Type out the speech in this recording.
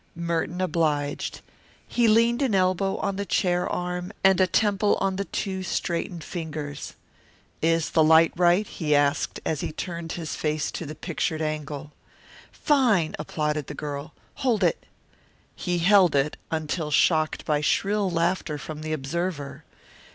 Merton obliged. He leaned an elbow on the chair arm and a temple on the two straightened fingers. "Is the light right?" he asked, as he turned his face to the pictured angle. "Fine," applauded the girl. "Hold it." He held it until shocked by shrill laughter from the observer.